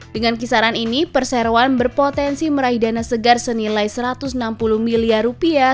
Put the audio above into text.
dengan kisaran ini perseroan berpotensi meraih dana segar senilai satu ratus enam puluh miliar rupiah